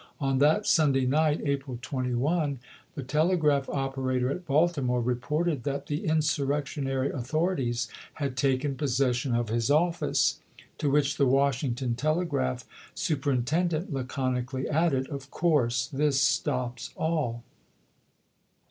On that Sunday night (April 21) the telegraph operator at Baltimore re ported that the insurrectionary authorities had taken possession of his office ; to which the Wash ington telegraph superintendent laconically added, " Of course this stops all."